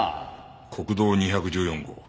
国道２１４号